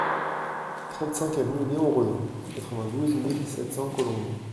trente-cinq avenue Léon Renault, quatre-vingt-douze mille sept cents Colombes